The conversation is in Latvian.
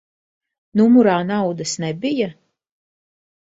Numurā naudas nebija?